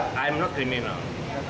tapi saya bukan kriminal